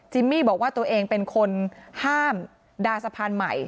มี่บอกว่าตัวเองเป็นคนห้ามดาสะพานใหม่